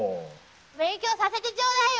勉強させてちょうだいよ！